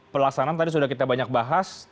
pelaksanaan tadi sudah kita banyak bahas